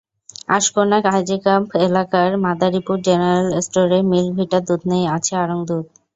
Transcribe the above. আশকোনা হাজিক্যাম্প এলাকার মাদারীপুর জেনারেল স্টোরে মিল্ক ভিটার দুধ নেই, আছে আড়ং দুধ।